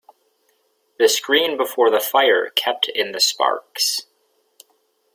The screen before the fire kept in the sparks.